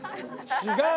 違う！